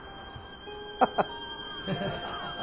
ハハハッ。